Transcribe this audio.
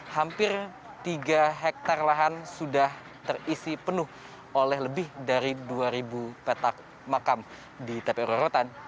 hampir tiga hektare lahan sudah terisi penuh oleh lebih dari dua ribu petak makam di tpu rorotan